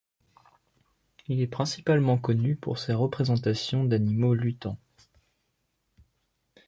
Il est principalement connu pour ses représentations d'animaux luttant.